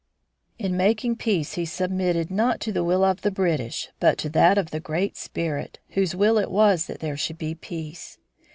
In making peace he submitted not to the will of the British but to that of the Great Spirit, whose will it was that there should be peace.